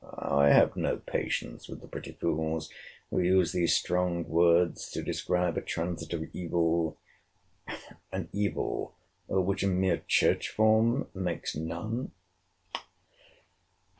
—I have no patience with the pretty fools, who use those strong words, to describe a transitory evil; an evil which a mere church form makes none?